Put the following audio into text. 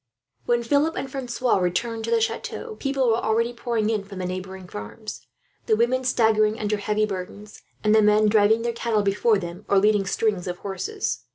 When they returned to the chateau, people were already pouring in from the neighbouring farms; the women staggering under heavy burdens, and the men driving their cattle before them, or leading strings of horses.